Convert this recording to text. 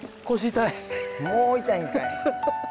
もう痛いんかい！